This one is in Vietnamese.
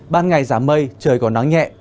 ban ngày giảm mây trời còn nắng nhẹ